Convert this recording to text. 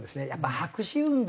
白紙運動